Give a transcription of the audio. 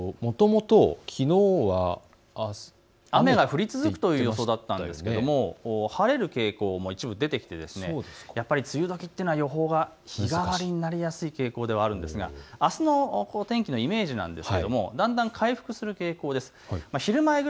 もともときのうは雨が降り続くという予想だったんですけれども晴れる傾向も一部出てきてやっぱり梅雨どきというのは予報が日替わりになりやすい傾向ではあるんですがあすの天気のイメージ、だんだん回復する傾向です。